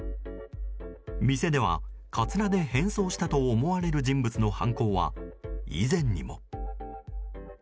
店では、カツラで変装したと思われる人物の犯行は以前にも。